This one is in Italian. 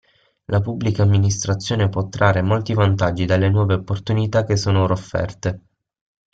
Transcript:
La Pubblica Amministrazione può trarre molti vantaggi dalle nuove opportunità che sono ora offerte.